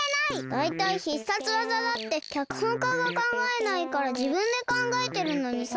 だいたい必殺技だってきゃくほんかがかんがえないからじぶんでかんがえてるのにさ。